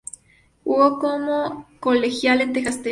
Jugó como colegial en Texas Tech.